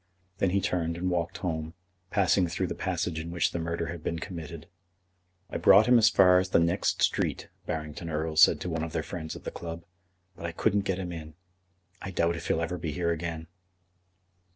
Then he turned and walked home, passing through the passage in which the murder had been committed. "I brought him as far as the next street," Barrington Erle said to one of their friends at the club, "but I couldn't get him in. I doubt if he'll ever be here again."